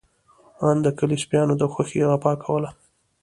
آن د کلي سپيانو د خوښۍ غپا کوله.